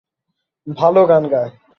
ভালো গান গায়।